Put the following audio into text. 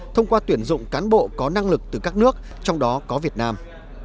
thông qua tuyển dụng cán bộ có năng lực từ các nước trong đó có việt nam